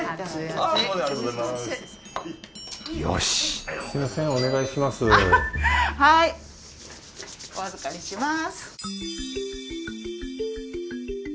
あっはいお預かりします。